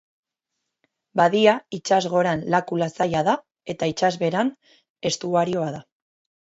Badia itsasgoran laku lasai da eta itsasbeheran estuarioa da.